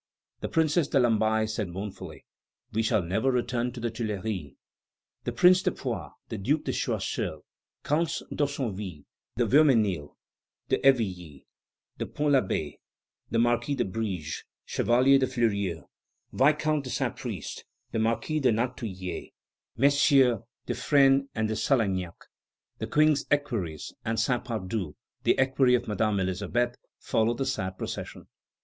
The Princess de Lamballe said mournfully: "We shall never return to the Tuileries!" The Prince de Poix, the Duke de Choiseul, Counts d'Haussonville, de Vioménil, de Hervilly, and de Pont l'Abbé, the Marquis de Briges, Chevalier de Fleurieu, Viscount de Saint Priest, the Marquis de Nantouillet, MM. de Fresnes and de Salaignac, the King's equerries, and Saint Pardoux, the equerry of Madame Elisabeth, followed the sad procession.